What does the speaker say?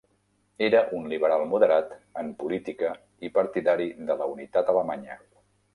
Era un liberal moderat en política i partidari de la unitat alemanya.